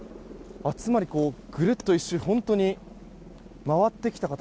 つまり、ぐるっと１周本当に回ってきた形。